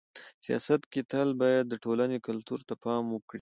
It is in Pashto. سیاست کي تل باید د ټولني کلتور ته پام وکړي.